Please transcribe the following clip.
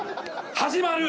始まる。